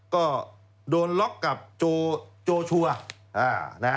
ก็โดนล็อกกับโจชัวร์